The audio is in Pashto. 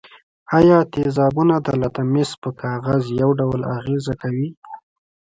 آیا تیزابونه د لتمس پر کاغذ یو ډول اغیزه کوي؟